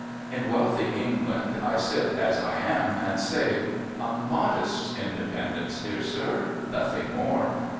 " In wealthy England, I sit as I am, and say, " A modest independence, dear sir ; nothing more.